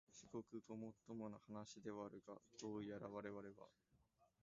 至極ごもっともな話ではあるが、どうやらわれわれは、